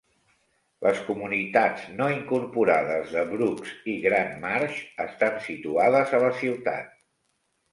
Les comunitats no incorporades de Brooks i Grand Marsh estan situades a la ciutat.